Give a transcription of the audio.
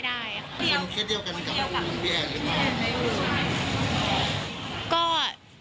เป็นเคลียร์เดียวกันกับพูดของพี่แอนหรือเปล่า